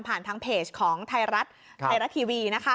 ผ่านทางเพจของไทยรัติ์ไทยรัติ์ทีวีนะฮะ